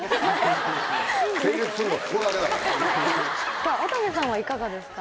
さぁ渡部さんはいかがですか？